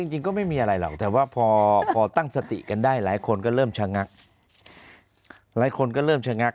จริงก็ไม่มีอะไรหรอกแต่ว่าพอตั้งสติกันได้หลายคนก็เริ่มชะงัก